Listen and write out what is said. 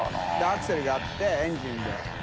アクセルがあってエンジンで。